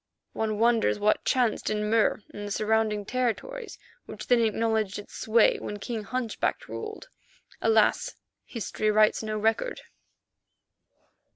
One wonders what chanced in Mur and the surrounding territories which then acknowledged its sway when King Hunchback ruled. Alas! history writes no record.